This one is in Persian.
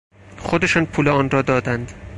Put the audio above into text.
خودشان پول آن را دادند.